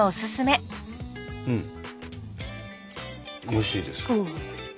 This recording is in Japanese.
おいしいです。